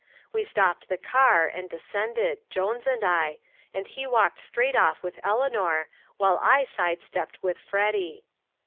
We stopped the car, and descended Jones and I and he walked straight off with Eleanor, while I side stepped with Freddy.